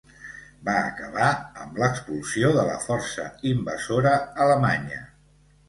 Va acabar amb l'expulsió de la força invasora alemanya.